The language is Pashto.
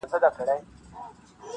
نن مي د عمر په محراب کي بتخانه لګېږې -